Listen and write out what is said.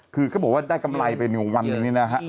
คือเขาบอกว่าได้กำไรไปในวันนี้นะครับ